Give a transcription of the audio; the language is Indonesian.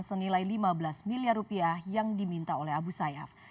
senilai lima belas miliar rupiah yang diminta oleh abu sayyaf